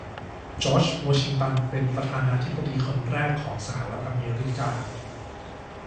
จอร์จ วอชิงตันเป็นประธานาธิบดีคนแรกของสหรัฐอเมริกา